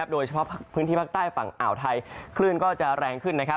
โดยเฉพาะพื้นที่ภาคใต้ฝั่งอ่าวไทยคลื่นก็จะแรงขึ้น